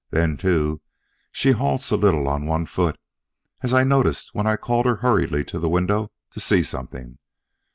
Then too, she halts a little on one foot, as I noticed when I called her hurriedly to the window to see something.